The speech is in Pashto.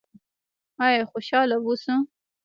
آیا خوشحاله اوسو؟